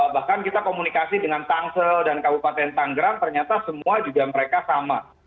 bahkan kita komunikasi dengan tangsel dan kabupaten tanggerang ternyata semua juga mereka sama